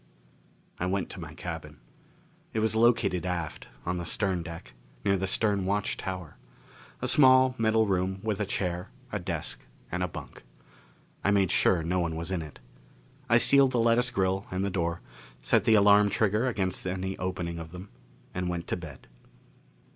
I went to my cabin. It was located aft, on the stern deck, near the stern watch tower. A small metal room with a chair, a desk and a bunk. I made sure no one was in it. I sealed the lattice grill and the door, set the alarm trigger against any opening of them, and went to bed.